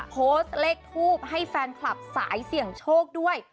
โพสต์เลขทูปให้แฟนคลับสายเสี่ยงโชคด้วย